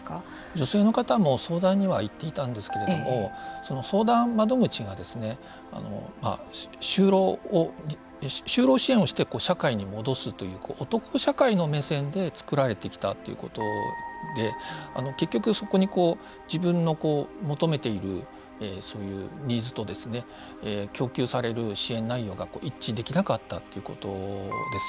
女性の方も、相談には行っていたんですけれどもその相談窓口が就労支援をして社会に戻すという男社会の目線でつくられてきたということで、結局、そこに自分の求めている、そういうニーズと、供給される支援内容が一致できなかったということですよね。